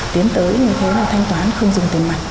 tiến tới như thế là thanh toán không dùng tiền mặt